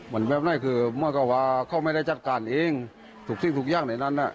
มันแบบไหนคือเหมือนกับว่าเขาไม่ได้จัดการเองทุกสิ่งทุกอย่างในนั้นน่ะ